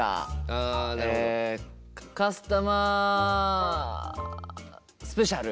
カスタマースペシャル。